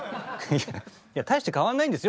いや大して変わんないんですよ